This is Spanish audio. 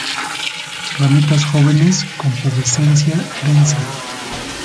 Ramitas jóvenes con pubescencia densa.